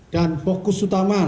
dan fokus utama